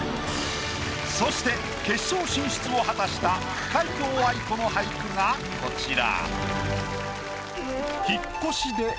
そして決勝進出を果たした皆藤愛子の俳句がこちら。